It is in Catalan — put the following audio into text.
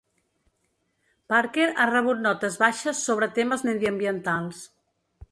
Parker ha rebut notes baixes sobre temes mediambientals.